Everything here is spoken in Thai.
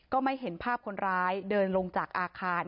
ไม่เห็นภาพคนร้ายเดินลงจากอาคาร